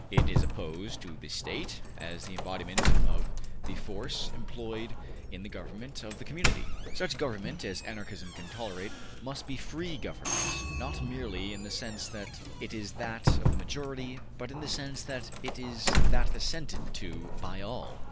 It is opposed to the State as the embodiment of the force employed in the government of the community. Such government as Anarchism can tolerate must be free government, not merely in the sense that it is that of a majority, but in the sense that it is that assented to by all.